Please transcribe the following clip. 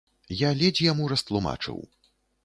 Я ледзь яму растлумачыў.